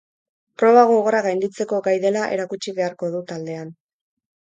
Proba gogorrak gainditzeko gai dela erakutsi beharko du taldean.